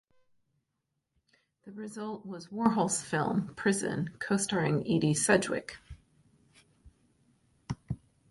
The result was Warhol's film "Prison", co-starring Edie Sedgwick.